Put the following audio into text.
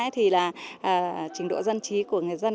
thì là trình độ dân trí của người dân